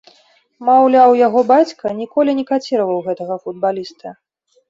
Маўляў, яго бацька ніколі не каціраваў гэтага футбаліста.